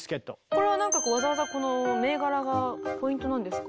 これはなんかわざわざこの銘柄がポイントなんですか？